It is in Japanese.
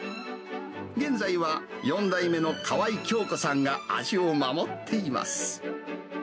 現在は４代目の河合京子さんが味を守っています。